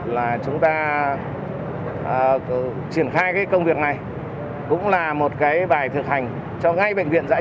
là chúng ta triển khai cái công việc này cũng là một cái bài thực hành cho ngay bệnh viện dạy